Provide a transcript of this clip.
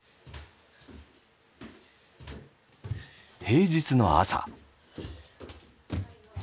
平日の朝。